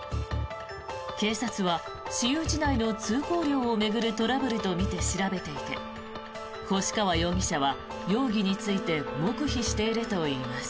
警察は私有地内の通行料を巡るトラブルとみて調べていて越川容疑者は容疑について黙秘しているといいます。